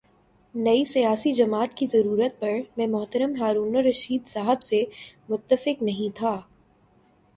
نئی سیاسی جماعت کی ضرورت پر میں محترم ہارون الرشید صاحب سے متفق نہیں تھا۔